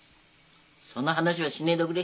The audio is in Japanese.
その話はしねえどぐれ！